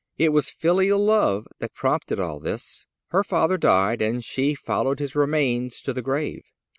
It was filial love that prompted all this. Her father died and she followed his remains to the grave.